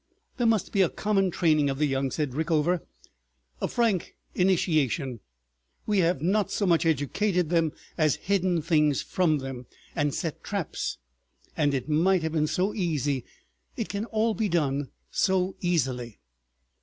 "There must be a common training of the young," said Richover; "a frank initiation. We have not so much educated them as hidden things from them, and set traps. And it might have been so easy—it can all be done so easily."